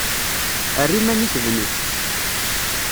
Err iman-ik d nekk.